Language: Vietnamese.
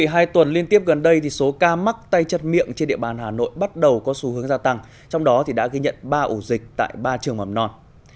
hai tuần liên tiếp gần đây số ca mắc tay chân miệng trên địa bàn hà nội bắt đầu có xu hướng gia tăng trong đó đã ghi nhận ba ổ dịch tại ba trường mầm non